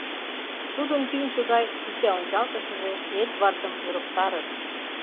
Тудын тӱҥшӧ гай шинчаончалтышыже Эдвардым ӧрыктарыш.